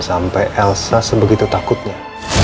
sampai elsa sebegitu takutnya